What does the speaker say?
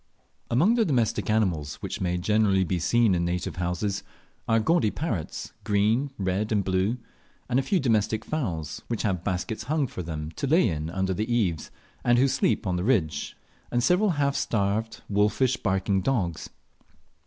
Among the domestic animals which may generally be seen in native houses, are gaudy parrots, green, red, and blue, a few domestic fowls, which have baskets hung for them to lay in under the eaves, and who sleep on the ridge, and several half starved wolfish baking dogs.